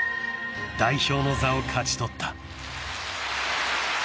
［代表の座を勝ち取った］